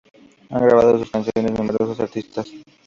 Han grabado sus canciones numerosos artistas.